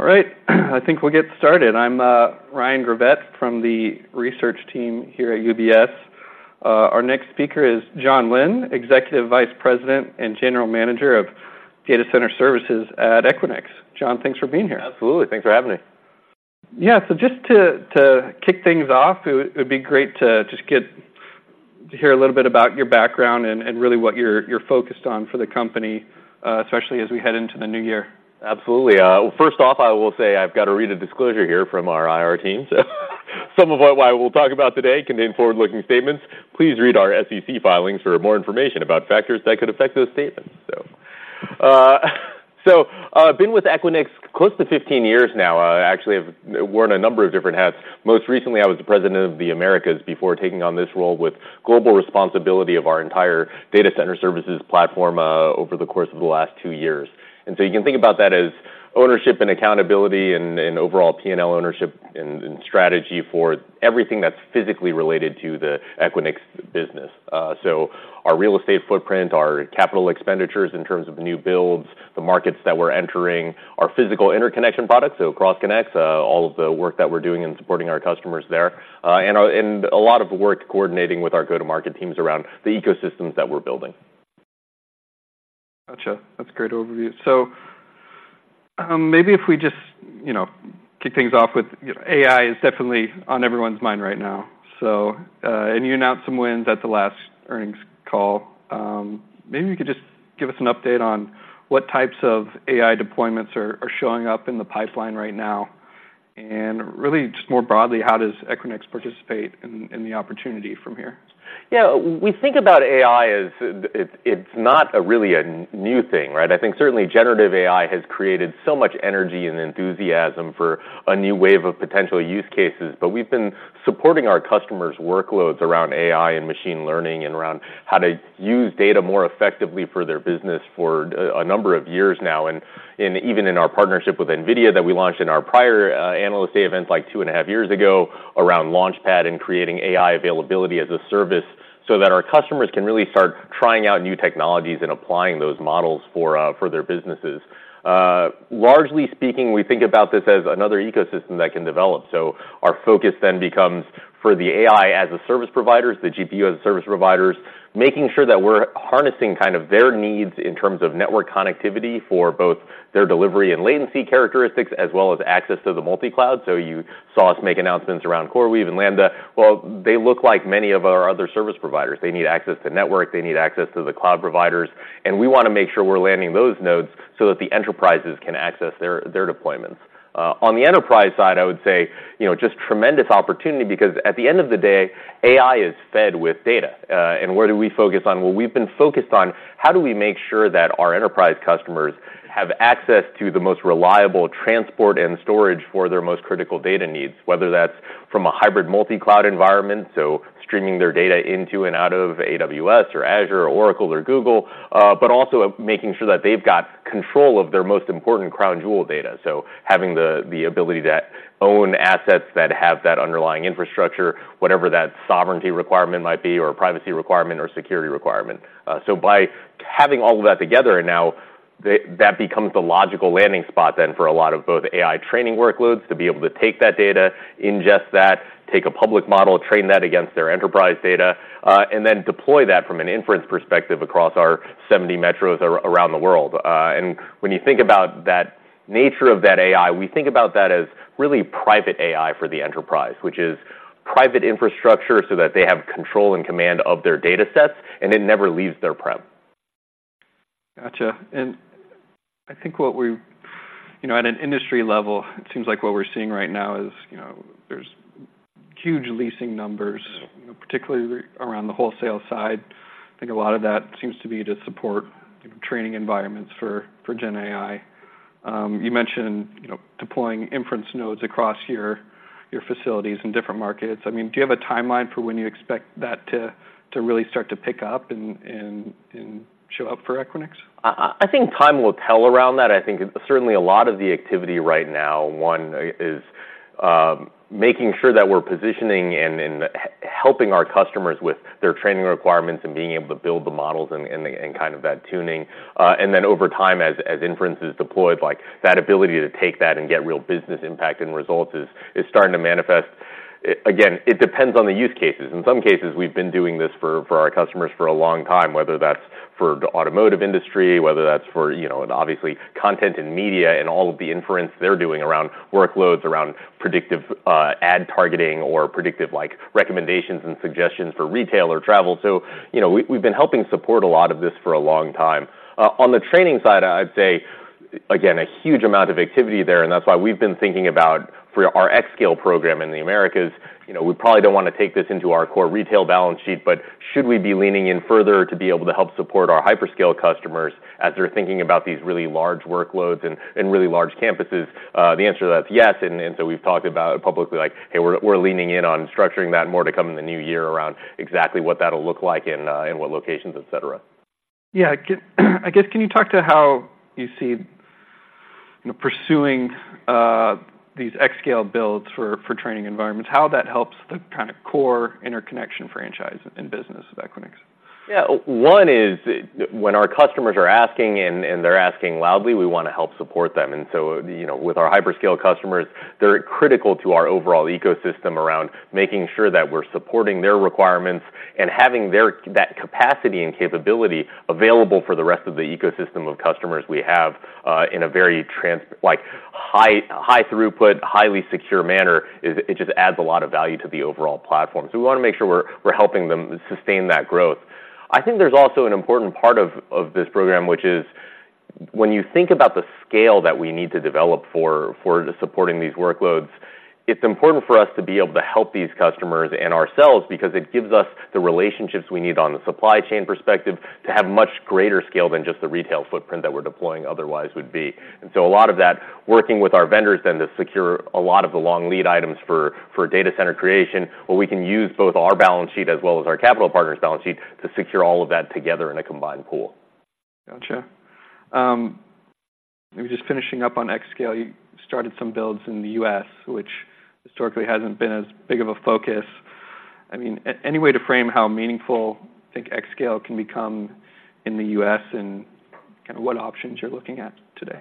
All right, I think we'll get started. I'm Ryan Gravett from the research team here at UBS. Our next speaker is Jon Lin, Executive Vice President and General Manager of Data Center Services at Equinix. Jon, thanks for being here. Absolutely. Thanks for having me. Yeah, so just to kick things off, it would be great to just get to hear a little bit about your background and really what you're focused on for the company, especially as we head into the new year. Absolutely. First off, I will say I've got to read a disclosure here from our IR team. So some of what I will talk about today contain forward-looking statements. Please read our SEC filings for more information about factors that could affect those statements. So I've been with Equinix close to 15 years now. Actually, I've worn a number of different hats. Most recently, I was the president of the Americas before taking on this role with global responsibility of our entire data center services platform, over the course of the last 2 years. And so you can think about that as ownership and accountability and overall P&L ownership and strategy for everything that's physically related to the Equinix business. So our real estate footprint, our capital expenditures in terms of new builds, the markets that we're entering, our physical interconnection products, so Cross Connect, all of the work that we're doing in supporting our customers there, and a lot of work coordinating with our go-to-market teams around the ecosystems that we're building. Gotcha. That's a great overview. So, maybe if we just, you know, kick things off with, AI is definitely on everyone's mind right now. So, and you announced some wins at the last earnings call. Maybe you could just give us an update on what types of AI deployments are showing up in the pipeline right now, and really just more broadly, how does Equinix participate in the opportunity from here? Yeah, we think about AI as it's not really a new thing, right? I think certainly generative AI has created so much energy and enthusiasm for a new wave of potential use cases, but we've been supporting our customers' workloads around AI and machine learning, and around how to use data more effectively for their business for a number of years now, and even in our partnership with NVIDIA that we launched in our prior Analyst Day event, like 2.5 years ago, around LaunchPad and creating AI availability as a service so that our customers can really start trying out new technologies and applying those models for their businesses. Largely speaking, we think about this as another ecosystem that can develop. So our focus then becomes for the AI as a service providers, the GPU as a service providers, making sure that we're harnessing kind of their needs in terms of network connectivity for both their delivery and latency characteristics, as well as access to the multi-cloud. So you saw us make announcements around CoreWeave and Lambda. Well, they look like many of our other service providers. They need access to network, they need access to the cloud providers, and we want to make sure we're landing those nodes so that the enterprises can access their deployments. On the enterprise side, I would say, you know, just tremendous opportunity because at the end of the day, AI is fed with data. And where do we focus on? Well, we've been focused on how do we make sure that our enterprise customers have access to the most reliable transport and storage for their most critical data needs, whether that's from a hybrid multi-cloud environment, so streaming their data into and out of AWS, or Azure, or Oracle, or Google, but also making sure that they've got control of their most important crown jewel data. So having the ability to own assets that have that underlying infrastructure, whatever that sovereignty requirement might be, or privacy requirement, or security requirement. So by having all of that together now, that becomes the logical landing spot then for a lot of both AI training workloads, to be able to take that data, ingest that, take a public model, train that against their enterprise data, and then deploy that from an inference perspective across our 70 metros around the world. And when you think about that nature of that AI, we think about that as really private AI for the enterprise, which is private infrastructure, so that they have control and command of their data sets, and it never leaves their prem. Gotcha. And I think what we— You know, at an industry level, it seems like what we're seeing right now is, you know, there's huge leasing numbers, particularly around the wholesale side. I think a lot of that seems to be to support training environments for Gen AI. You mentioned, you know, deploying inference nodes across your facilities in different markets. I mean, do you have a timeline for when you expect that to really start to pick up and show up for Equinix? I think time will tell around that. I think certainly a lot of the activity right now, one, is, making sure that we're positioning and, and helping our customers with their training requirements and being able to build the models and, and, and kind of that tuning. And then over time, as, as inference is deployed, like, that ability to take that and get real business impact and results is, is starting to manifest. Again, it depends on the use cases. In some cases, we've been doing this for, for our customers for a long time, whether that's for the automotive industry, whether that's for, you know, obviously, content and media and all of the inference they're doing around workloads, around predictive, ad targeting, or predictive like recommendations and suggestions for retail or travel. So, you know, we've been helping support a lot of this for a long time. On the training side, I'd say, again, a huge amount of activity there, and that's why we've been thinking about for our xScale program in the Americas. You know, we probably don't want to take this into our core retail balance sheet, but should we be leaning in further to be able to help support our hyperscale customers as they're thinking about these really large workloads and really large campuses? The answer to that is yes, and so we've talked about it publicly, like, hey, we're leaning in on structuring that more to come in the new year around exactly what that'll look like and what locations, et cetera. Yeah. I guess, can you talk to how you see, you know, pursuing these xScale builds for training environments, how that helps the kind of core interconnection franchise and business of Equinix? ... Yeah, one is when our customers are asking, and they're asking loudly, we want to help support them. And so, you know, with our hyperscale customers, they're critical to our overall ecosystem around making sure that we're supporting their requirements and having that capacity and capability available for the rest of the ecosystem of customers we have, in a very transparent-like, high, high throughput, highly secure manner, it just adds a lot of value to the overall platform. So we want to make sure we're helping them sustain that growth. I think there's also an important part of this program, which is when you think about the scale that we need to develop for supporting these workloads, it's important for us to be able to help these customers and ourselves because it gives us the relationships we need on the supply chain perspective to have much greater scale than just the retail footprint that we're deploying otherwise would be. And so a lot of that, working with our vendors then to secure a lot of the long lead items for data center creation, where we can use both our balance sheet as well as our capital partners' balance sheet to secure all of that together in a combined pool. Gotcha. Maybe just finishing up on xScale, you started some builds in the U.S., which historically hasn't been as big of a focus. I mean, any way to frame how meaningful you think xScale can become in the U.S. and kind of what options you're looking at today?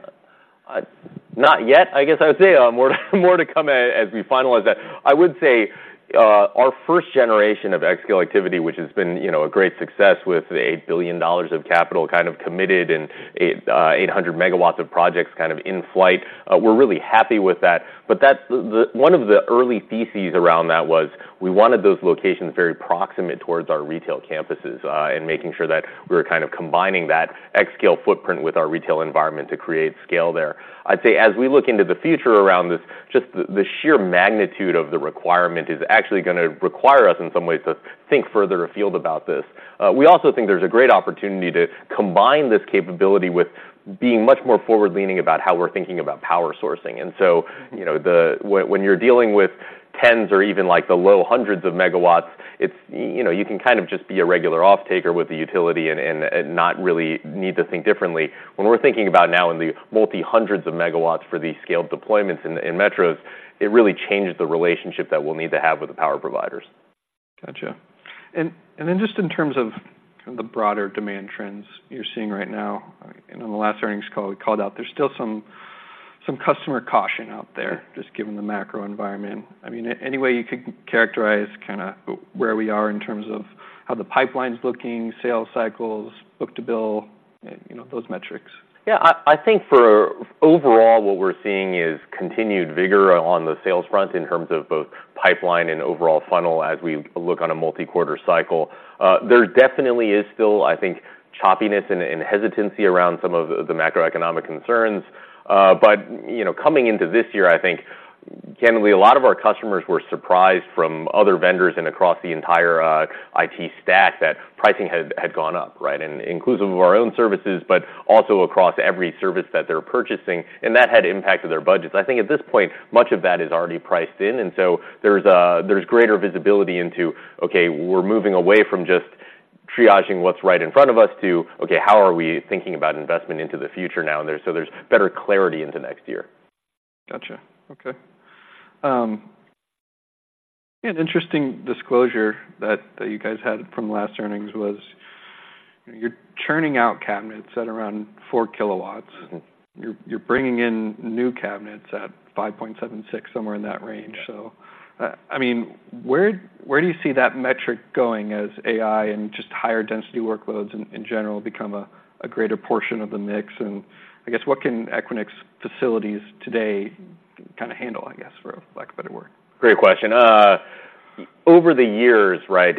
Not yet. I guess I would say, more to come as we finalize that. I would say, our first generation of xScale activity, which has been, you know, a great success with $8 billion of capital kind of committed and 800 MW of projects kind of in flight. We're really happy with that. But that's the... One of the early theses around that was we wanted those locations very proximate towards our retail campuses, and making sure that we were kind of combining that xScale footprint with our retail environment to create scale there. I'd say as we look into the future around this, just the sheer magnitude of the requirement is actually gonna require us, in some ways, to think further afield about this. We also think there's a great opportunity to combine this capability with being much more forward-leaning about how we're thinking about power sourcing. And so, you know, when you're dealing with tens or even, like, the low hundreds of MW, it's, you know, you can kind of just be a regular off-taker with the utility and not really need to think differently. When we're thinking about now in the multi hundreds of MW for these scaled deployments in metros, it really changes the relationship that we'll need to have with the power providers. Gotcha. And then just in terms of the broader demand trends you're seeing right now, and in the last earnings call, you called out there's still some customer caution out there, just given the macro environment. I mean, any way you could characterize kind of where we are in terms of how the pipeline's looking, sales cycles, book-to-bill, you know, those metrics? Yeah, I think for overall, what we're seeing is continued vigor on the sales front in terms of both pipeline and overall funnel as we look on a multi-quarter cycle. There definitely is still, I think, choppiness and hesitancy around some of the macroeconomic concerns. But, you know, coming into this year, I think generally a lot of our customers were surprised from other vendors and across the entire IT stack, that pricing had gone up, right? And inclusive of our own services, but also across every service that they're purchasing, and that had impacted their budgets. I think at this point, much of that is already priced in, and so there's greater visibility into, okay, we're moving away from just triaging what's right in front of us to, okay, how are we thinking about investment into the future now? There's better clarity into next year. Gotcha. Okay. An interesting disclosure that you guys had from last earnings was you're churning out cabinets at around 4 kW. Mm-hmm. You're bringing in new cabinets at 5.76, somewhere in that range. Yeah. I mean, where do you see that metric going as AI and just higher density workloads in general become a greater portion of the mix? And I guess, what can Equinix facilities today kind of handle, I guess, for lack of a better word? Great question. Over the years, right,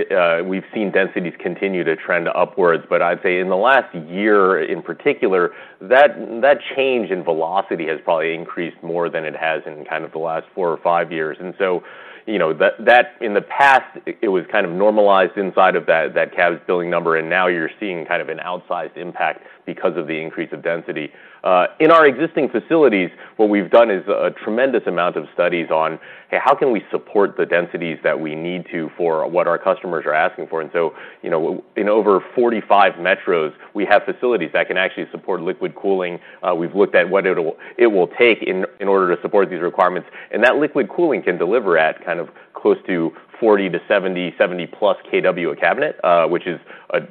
we've seen densities continue to trend upwards, but I'd say in the last year in particular, that change in velocity has probably increased more than it has in kind of the last four or five years. And so, you know, that in the past, it was kind of normalized inside of that cab's billing number, and now you're seeing kind of an outsized impact because of the increase of density. In our existing facilities, what we've done is a tremendous amount of studies on how can we support the densities that we need to for what our customers are asking for? And so, you know, in over 45 metros, we have facilities that can actually support liquid cooling. We've looked at what it will, it will take in order to support these requirements, and that liquid cooling can deliver at kind of close to 40-70, 70+ kW a cabinet, which is,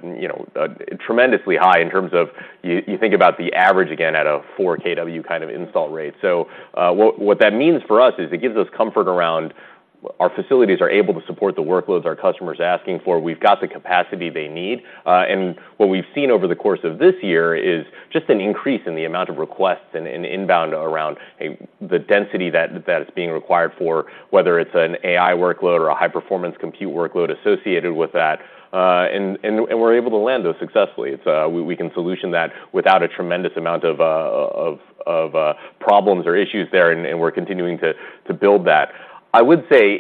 you know, a tremendously high in terms of... You think about the average again at a 4 kW kind of install rate. So, what, what that means for us is it gives us comfort around our facilities are able to support the workloads our customers are asking for. We've got the capacity they need. And what we've seen over the course of this year is just an increase in the amount of requests and inbound around the density that is being required for, whether it's an AI workload or a high-performance compute workload associated with that, and we're able to land those successfully. It's we can solution that without a tremendous amount of problems or issues there, and we're continuing to build that. I would say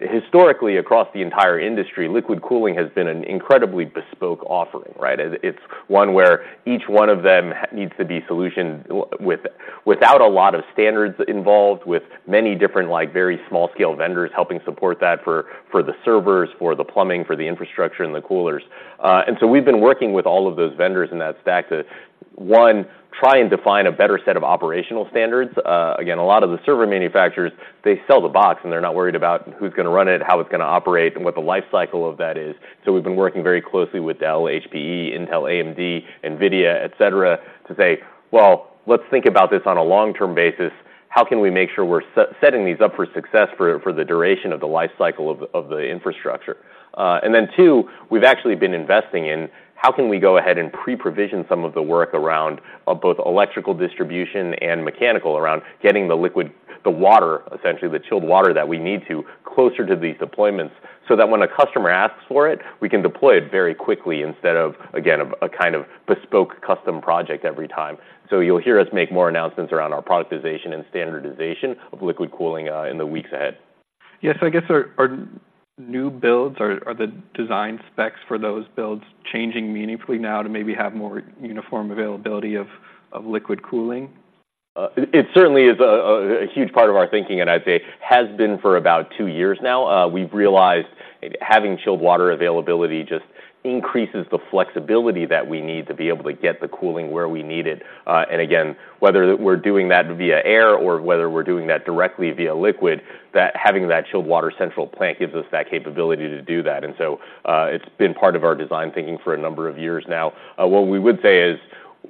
historically, across the entire industry, liquid cooling has been an incredibly bespoke offering, right? It's one where each one of them needs to be solutioned without a lot of standards involved, with many different, like, very small-scale vendors helping support that for the servers, for the plumbing, for the infrastructure, and the coolers. We've been working with all of those vendors in that stack to one, try and define a better set of operational standards. Again, a lot of the server manufacturers, they sell the box, and they're not worried about who's gonna run it, how it's gonna operate, and what the life cycle of that is. So we've been working very closely with Dell, HPE, Intel, AMD, NVIDIA, et cetera, to say, "Well, let's think about this on a long-term basis. How can we make sure we're setting these up for success for the duration of the life cycle of the infrastructure?" And then two, we've actually been investing in how can we go ahead and pre-provision some of the work around both electrical distribution and mechanical, around getting the liquid, the water, essentially, the chilled water that we need to closer to these deployments, so that when a customer asks for it, we can deploy it very quickly instead of, again, a kind of bespoke custom project every time. So you'll hear us make more announcements around our productization and standardization of liquid cooling in the weeks ahead. Yes, I guess. Are new builds, are the design specs for those builds changing meaningfully now to maybe have more uniform availability of liquid cooling? It certainly is a huge part of our thinking, and I'd say has been for about two years now. We've realized that having chilled water availability just increases the flexibility that we need to be able to get the cooling where we need it. And again, whether we're doing that via air or whether we're doing that directly via liquid, having that chilled water central plant gives us that capability to do that, and so, it's been part of our design thinking for a number of years now. What we would say is,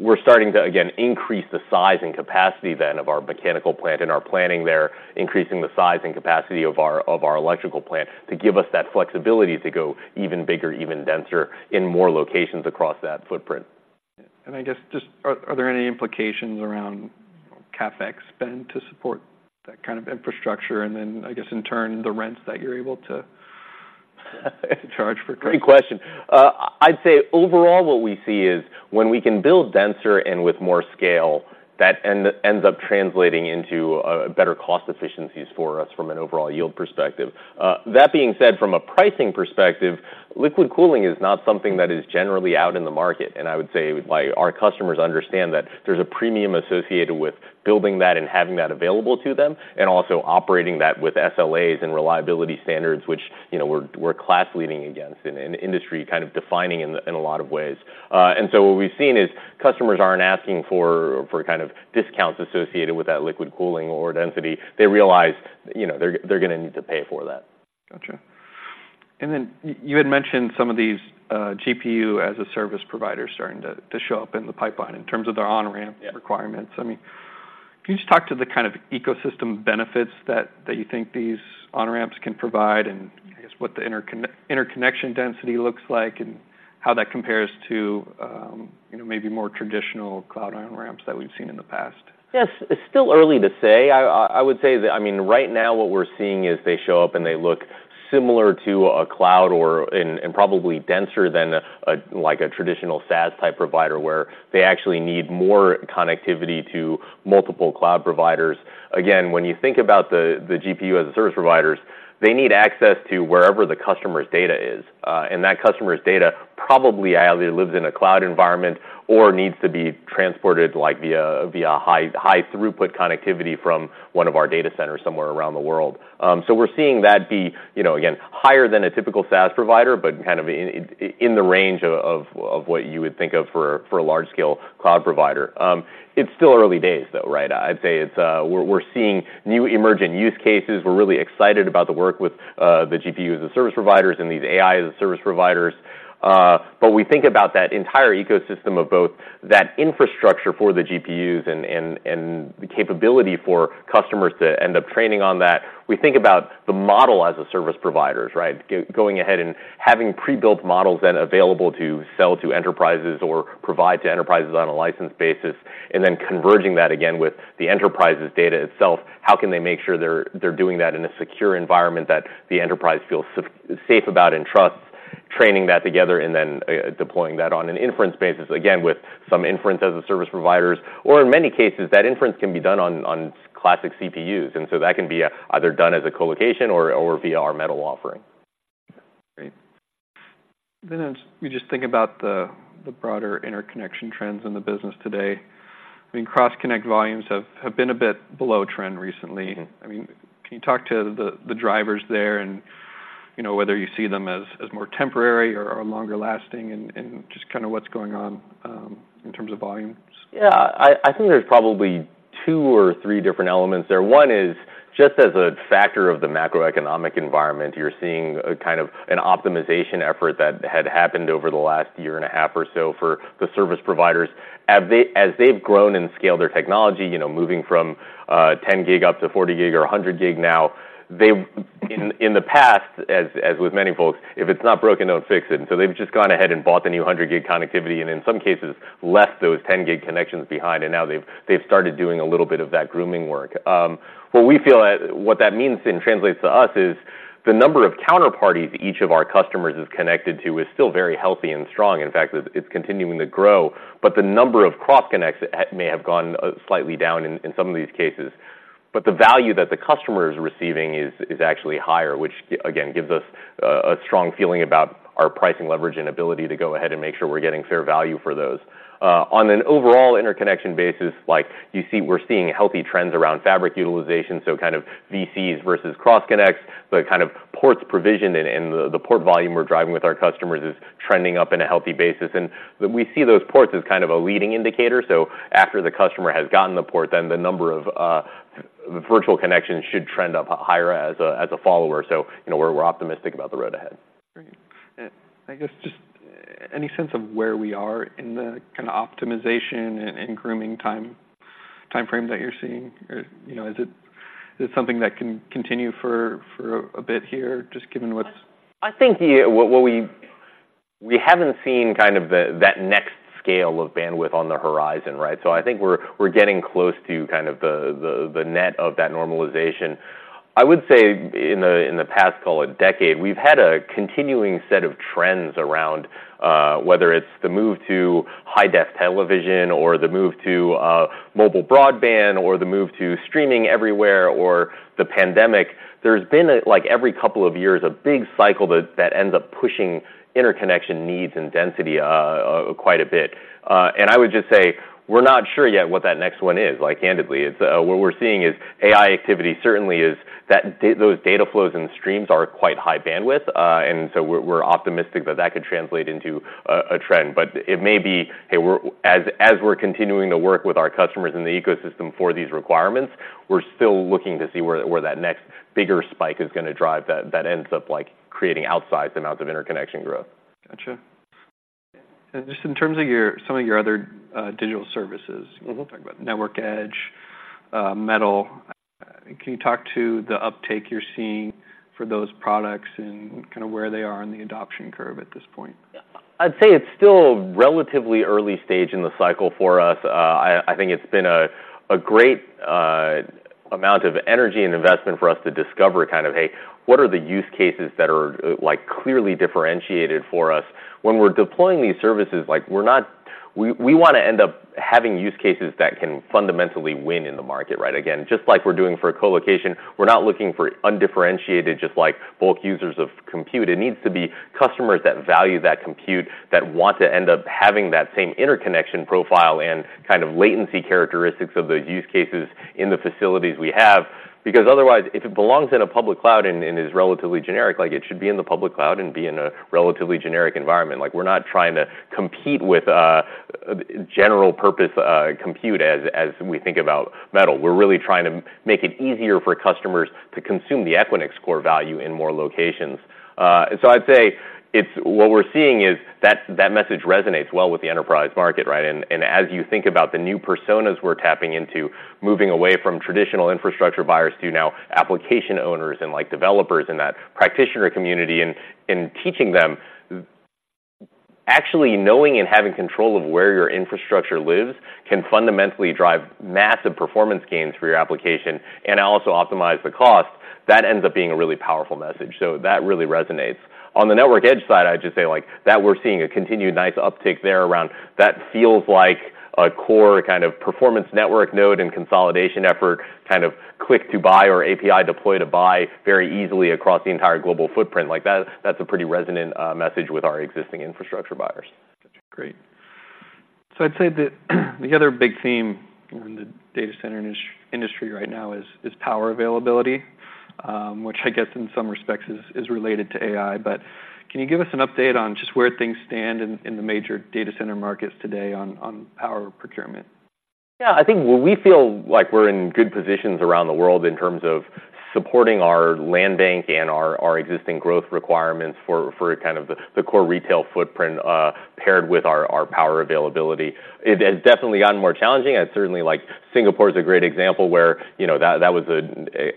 we're starting to, again, increase the size and capacity then of our mechanical plant and our planning there, increasing the size and capacity of our electrical plant, to give us that flexibility to go even bigger, even denser, in more locations across that footprint. And I guess just, are there any implications around CapEx spend to support that kind of infrastructure, and then, I guess, in turn, the rents that you're able to charge for it? Great question. I'd say overall, what we see is when we can build denser and with more scale, that ends up translating into better cost efficiencies for us from an overall yield perspective. That being said, from a pricing perspective, liquid cooling is not something that is generally out in the market, and I would say, like, our customers understand that there's a premium associated with building that and having that available to them, and also operating that with SLAs and reliability standards, which, you know, we're class-leading against in an industry, kind of defining in a lot of ways. And so what we've seen is customers aren't asking for kind of discounts associated with that liquid cooling or density. They realize, you know, they're gonna need to pay for that. Gotcha. And then you had mentioned some of these GPU as a service providers starting to show up in the pipeline in terms of their on-ramp- Yeah - requirements. I mean, can you just talk to the kind of ecosystem benefits that you think these on-ramps can provide, and I guess what the interconnection density looks like, and how that compares to, you know, maybe more traditional cloud on-ramps that we've seen in the past? Yes. It's still early to say. I would say that... I mean, right now, what we're seeing is they show up, and they look similar to a cloud and probably denser than a like a traditional SaaS-type provider, where they actually need more connectivity to multiple cloud providers. Again, when you think about the GPU as a service providers, they need access to wherever the customer's data is. And that customer's data probably either lives in a cloud environment or needs to be transported like via high throughput connectivity from one of our data centers somewhere around the world. So we're seeing that you know again higher than a typical SaaS provider, but kind of in the range of what you would think of for a large-scale cloud provider. It's still early days, though, right? I'd say it's, we're seeing new emerging use cases. We're really excited about the work with the GPU as a service providers and these AI as a service providers. But we think about that entire ecosystem of both that infrastructure for the GPUs and the capability for customers to end up training on that. We think about the model as a service providers, right? Going ahead and having pre-built models then available to sell to enterprises or provide to enterprises on a license basis, and then converging that again with the enterprise's data itself. How can they make sure they're doing that in a secure environment that the enterprise feels safe about and trusts, training that together, and then deploying that on an inference basis, again, with some inference as a service providers, or in many cases, that inference can be done on classic CPUs, and so that can be either done as a colocation or via our Metal offering. Great. Then as we just think about the broader interconnection trends in the business today, I mean, Cross Connect volumes have been a bit below trend recently. Mm-hmm. I mean, can you talk to the drivers there and, you know, whether you see them as more temporary or longer lasting and just kind of what's going on in terms of volumes? Yeah. I think there's probably 2 or 3 different elements there. One is, just as a factor of the macroeconomic environment, you're seeing a kind of an optimization effort that had happened over the last year and a half or so for the service providers. As they've grown and scaled their technology, you know, moving from 10 gig up to 40 gig or 100 gig now, they've... In the past, as with many folks, if it's not broken, don't fix it. And so they've just gone ahead and bought the new 100 gig connectivity, and in some cases, left those 10 gig connections behind, and now they've started doing a little bit of that grooming work. What we feel, what that means and translates to us is the number of counterparties each of our customers is connected to is still very healthy and strong. In fact, it's continuing to grow, but the number of Cross Connects may have gone slightly down in some of these cases. But the value that the customer is receiving is actually higher, which again gives us a strong feeling about our pricing leverage and ability to go ahead and make sure we're getting fair value for those. On an overall interconnection basis, like you see, we're seeing healthy trends around Fabric utilization, so kind of VCs versus Cross Connects, the kind of ports provision and the port volume we're driving with our customers is trending up in a healthy basis. We see those ports as kind of a leading indicator, so after the customer has gotten the port, then the number of virtual connections should trend up higher as a follower, so you know, we're optimistic about the road ahead. Great. And I guess any sense of where we are in the kind of optimization and grooming time, timeframe that you're seeing? Or, you know, is it something that can continue for a bit here, just given what's- I think, yeah, what we haven't seen kind of that next scale of bandwidth on the horizon, right? So I think we're getting close to kind of the net of that normalization. I would say in the past, call it decade, we've had a continuing set of trends around whether it's the move to high-def television or the move to mobile broadband, or the move to streaming everywhere, or the pandemic, there's been a like every couple of years a big cycle that ends up pushing interconnection needs and density quite a bit. And I would just say, we're not sure yet what that next one is, like, candidly. It's what we're seeing is AI activity certainly is that those data flows and streams are quite high bandwidth, and so we're optimistic that that could translate into a trend. But it may be, hey, as we're continuing to work with our customers in the ecosystem for these requirements, we're still looking to see where that next bigger spike is gonna drive, that ends up, like, creating outsized amounts of interconnection growth. Gotcha. Just in terms of your, some of your other digital services- Mm-hmm. Talk about Network Edge, Metal, can you talk to the uptake you're seeing for those products and kind of where they are in the adoption curve at this point? I'd say it's still relatively early stage in the cycle for us. I think it's been a great amount of energy and investment for us to discover kind of, Hey, what are the use cases that are like clearly differentiated for us? When we're deploying these services, like, we're not—we wanna end up having use cases that can fundamentally win in the market, right? Again, just like we're doing for a colocation, we're not looking for undifferentiated, just like bulk users of compute. It needs to be customers that value that compute, that want to end up having that same interconnection profile and kind of latency characteristics of those use cases in the facilities we have. Because otherwise, if it belongs in a public cloud and is relatively generic, like it should be in the public cloud and be in a relatively generic environment. Like, we're not trying to compete with general purpose compute as we think about Metal. We're really trying to make it easier for customers to consume the Equinix core value in more locations. So I'd say it's what we're seeing is that message resonates well with the enterprise market, right? And as you think about the new personas we're tapping into, moving away from traditional infrastructure buyers to now application owners and like developers in that practitioner community, and teaching them, actually knowing and having control of where your infrastructure lives can fundamentally drive massive performance gains for your application and also optimize the cost, that ends up being a really powerful message. So that really resonates. On the Network Edge side, I'd just say, like, that we're seeing a continued nice uptake there around that feels like a core kind of performance network node and consolidation effort, kind of click to buy or API deploy to buy very easily across the entire global footprint. Like, that, that's a pretty resonant message with our existing infrastructure buyers. Great. So I'd say that the other big theme in the data center industry right now is power availability, which I guess in some respects is related to AI. But can you give us an update on just where things stand in the major data center markets today on power procurement? Yeah, I think we feel like we're in good positions around the world in terms of supporting our land bank and our existing growth requirements for kind of the core retail footprint, paired with our power availability. It has definitely gotten more challenging. I certainly like Singapore is a great example where, you know, that was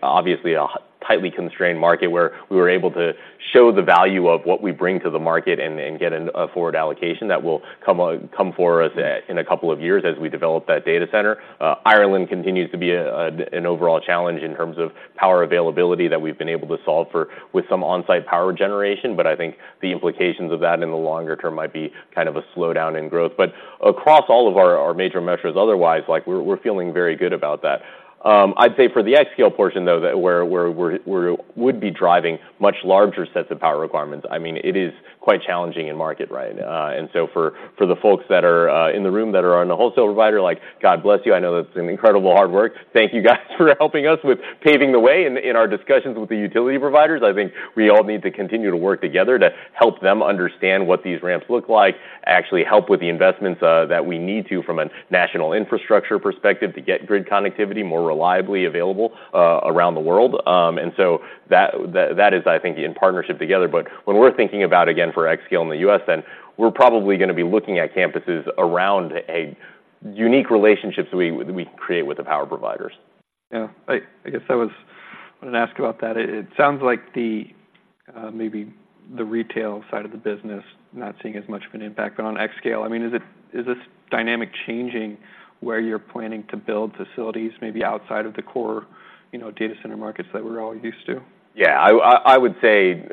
obviously a tightly constrained market where we were able to show the value of what we bring to the market and get a forward allocation that will come for us in a couple of years as we develop that data center. Ireland continues to be an overall challenge in terms of power availability that we've been able to solve for with some on-site power generation, but I think the implications of that in the longer term might be kind of a slowdown in growth. But across all of our major measures, otherwise, like we're feeling very good about that. I'd say for the xScale portion, though, where we're driving much larger sets of power requirements, I mean, it is quite challenging in market, right? And so for the folks that are in the room that are on the wholesale provider, like, God bless you, I know that's an incredible hard work. Thank you guys for helping us with paving the way in our discussions with the utility providers. I think we all need to continue to work together to help them understand what these ramps look like, actually help with the investments that we need to from a national infrastructure perspective to get grid connectivity more reliably available around the world. And so that is, I think, in partnership together. But when we're thinking about, again, for xScale in the U.S., then we're probably gonna be looking at campuses around a unique relationships we create with the power providers. Yeah, I guess I was gonna ask about that. It sounds like the maybe the retail side of the business not seeing as much of an impact, but on xScale, I mean, is this dynamic changing where you're planning to build facilities maybe outside of the core, you know, data center markets that we're all used to? Yeah, I would say,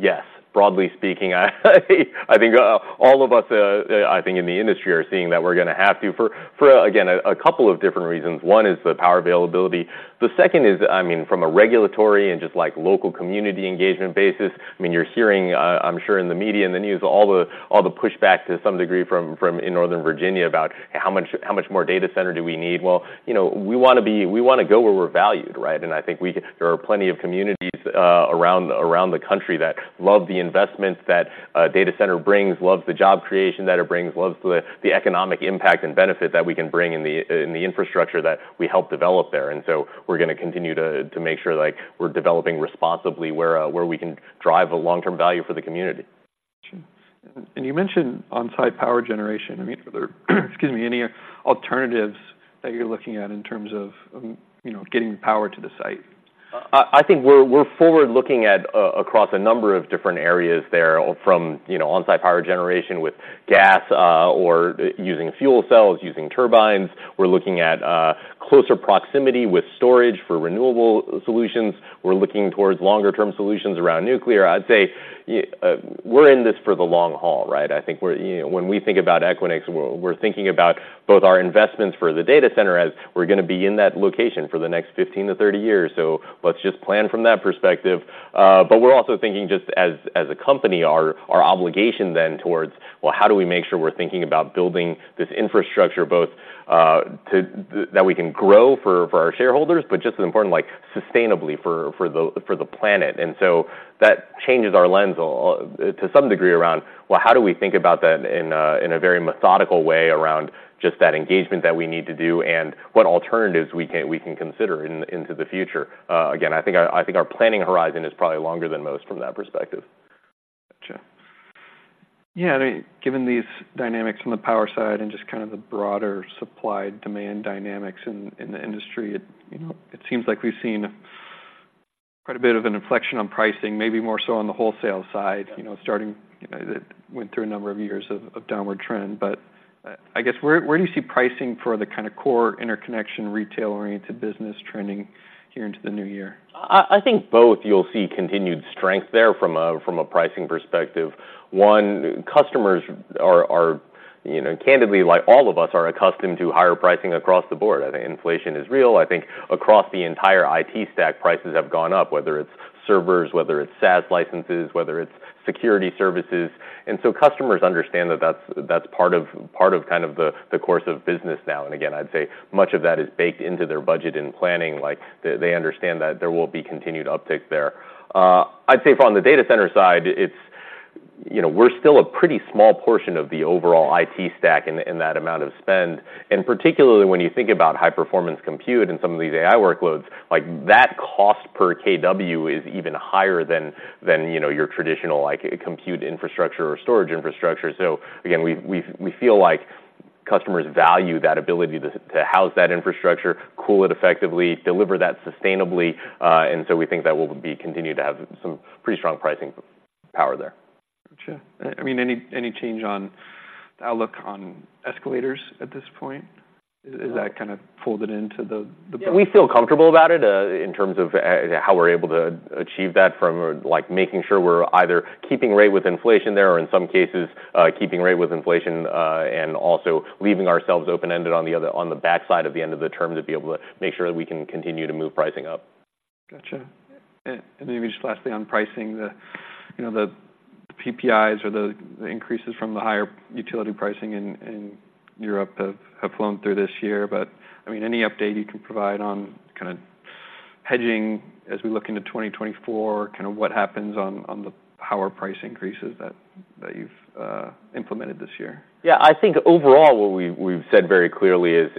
yes. Broadly speaking, I think all of us, I think in the industry are seeing that we're gonna have to for, for again, a couple of different reasons. One is the power availability. The second is, I mean, from a regulatory and just, like, local community engagement basis, I mean, you're hearing, I'm sure in the media and the news, all the pushback to some degree from in Northern Virginia, about how much more data center do we need? Well, you know, we wanna be-- we wanna go where we're valued, right? I think there are plenty of communities around the country that love the investments that data center brings, loves the job creation that it brings, loves the economic impact and benefit that we can bring in the infrastructure that we help develop there. And so we're gonna continue to make sure, like, we're developing responsibly, where we can drive a long-term value for the community.... And you mentioned on-site power generation. I mean, excuse me, are there any alternatives that you're looking at in terms of, you know, getting power to the site? I think we're forward-looking at across a number of different areas there, from, you know, on-site power generation with gas or using fuel cells, using turbines. We're looking at closer proximity with storage for renewable solutions. We're looking towards longer-term solutions around nuclear. I'd say, we're in this for the long haul, right? I think we're, you know, when we think about Equinix, we're thinking about both our investments for the data center, as we're gonna be in that location for the next 15 to 30 years, so let's just plan from that perspective. But we're also thinking, just as a company, our obligation then towards, well, how do we make sure we're thinking about building this infrastructure both that we can grow for our shareholders, but just as important, like, sustainably for the planet? And so, that changes our lens to some degree around, well, how do we think about that in a very methodical way around just that engagement that we need to do, and what alternatives we can consider into the future? Again, I think our planning horizon is probably longer than most from that perspective. Gotcha. Yeah, I mean, given these dynamics from the power side and just kind of the broader supply-demand dynamics in the industry, you know, it seems like we've seen quite a bit of an inflection on pricing, maybe more so on the wholesale side, you know, starting. You know, it went through a number of years of downward trend. But I guess where do you see pricing for the kind of core interconnection, retail-oriented business trending here into the new year? I think both, you'll see continued strength there from a pricing perspective. Customers are, you know, candidly, like all of us, accustomed to higher pricing across the board. I think inflation is real. I think across the entire IT stack, prices have gone up, whether it's servers, whether it's SaaS licenses, whether it's security services. And so customers understand that that's part of kind of the course of business now. And again, I'd say much of that is baked into their budget and planning, like, they understand that there will be continued uptick there. I'd say from the data center side, it's, you know, we're still a pretty small portion of the overall IT stack in that amount of spend, and particularly when you think about high-performance compute and some of these AI workloads, like, that cost per kW is even higher than, you know, your traditional, like, compute infrastructure or storage infrastructure. So again, we feel like customers value that ability to house that infrastructure, cool it effectively, deliver that sustainably, and so we think that will be continued to have some pretty strong pricing power there. Gotcha. I mean, any change on outlook on escalators at this point? Is that kind of folded into the- We feel comfortable about it, in terms of how we're able to achieve that, from, like, making sure we're either keeping rate with inflation there, or in some cases, keeping rate with inflation, and also leaving ourselves open-ended on the other, on the backside of the end of the term, to be able to make sure that we can continue to move pricing up. Gotcha. And maybe just lastly on pricing, the, you know, the PPIs or the increases from the higher utility pricing in Europe have flown through this year, but I mean, any update you can provide on kind of hedging as we look into 2024, kind of what happens on the power price increases that you've implemented this year? Yeah, I think overall, what we've said very clearly is,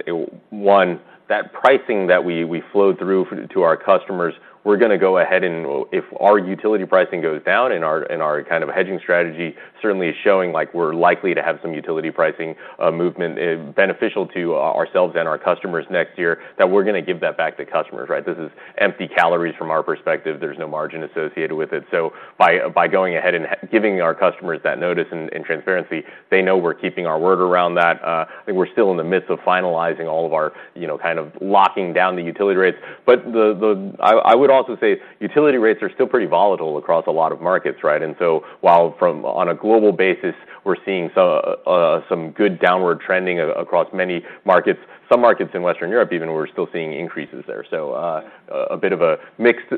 one, that pricing that we flowed through to our customers, we're gonna go ahead, and if our utility pricing goes down, and our kind of hedging strategy certainly is showing like we're likely to have some utility pricing movement, beneficial to ourselves and our customers next year, that we're gonna give that back to customers, right? This is empty calories from our perspective. There's no margin associated with it. So by going ahead and giving our customers that notice and transparency, they know we're keeping our word around that. I think we're still in the midst of finalizing all of our, you know, kind of locking down the utility rates. But I would also say utility rates are still pretty volatile across a lot of markets, right? So while from, on a global basis, we're seeing some good downward trending across many markets, some markets in Western Europe, even we're still seeing increases there. So, a bit of a mixed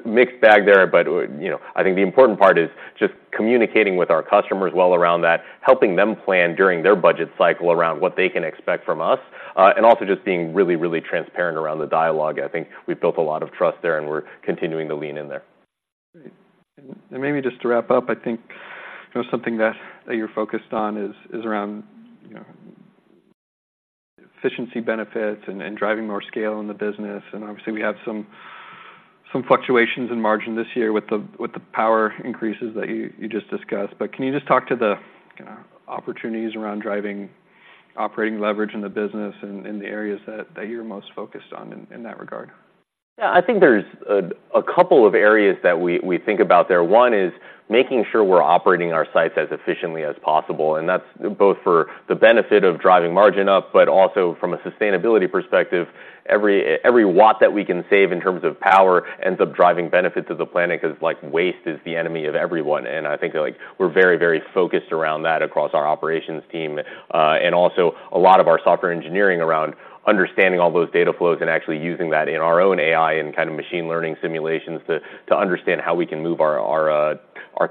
bag there. But, you know, I think the important part is just communicating with our customers well around that, helping them plan during their budget cycle around what they can expect from us, and also just being really, really transparent around the dialogue. I think we've built a lot of trust there, and we're continuing to lean in there. Great. And maybe just to wrap up, I think, you know, something that, that you're focused on is, is around, you know, efficiency benefits and, and driving more scale in the business. And obviously, we had some, some fluctuations in margin this year with the, with the power increases that you, you just discussed. But can you just talk to the kind of opportunities around driving operating leverage in the business and in the areas that, that you're most focused on in, in that regard? Yeah. I think there's a couple of areas that we think about there. One is making sure we're operating our sites as efficiently as possible, and that's both for the benefit of driving margin up but also from a sustainability perspective. Every watt that we can save in terms of power ends up driving benefits to the planet, 'cause, like, waste is the enemy of everyone. And I think, like, we're very focused around that across our operations team, and also a lot of our software engineering around understanding all those data flows and actually using that in our own AI and kind of machine learning simulations to understand how we can move our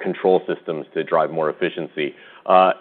control systems to drive more efficiency.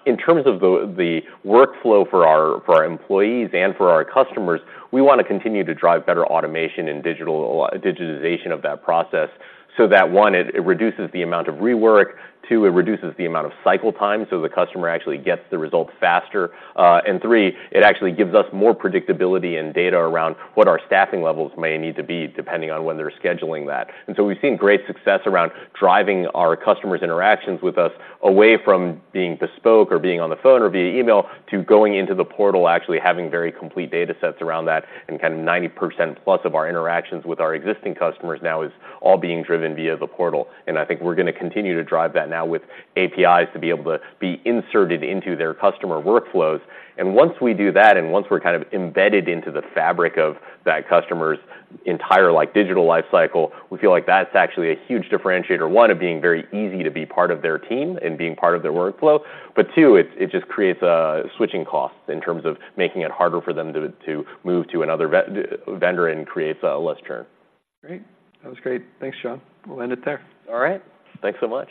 In terms of the workflow for our employees and for our customers, we want to continue to drive better automation and digital digitization of that process so that, one, it reduces the amount of rework, two, it reduces the amount of cycle time, so the customer actually gets the results faster, and three, it actually gives us more predictability and data around what our staffing levels may need to be, depending on when they're scheduling that. And so we've seen great success around driving our customers' interactions with us away from being bespoke or being on the phone or via email, to going into the portal, actually having very complete data sets around that. And kind of 90%+ of our interactions with our existing customers now is all being driven via the portal, and I think we're gonna continue to drive that now with APIs to be able to be inserted into their customer workflows. And once we do that, and once we're kind of embedded into the fabric of that customer's entire, like, digital life cycle, we feel like that's actually a huge differentiator, one, of being very easy to be part of their team and being part of their workflow, but two, it just creates a switching cost in terms of making it harder for them to move to another vendor, and creates less churn. Great! That was great. Thanks, Jon. We'll end it there. All right. Thanks so much.